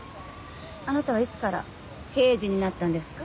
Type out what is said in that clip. あなたはいつから刑事になったんですか？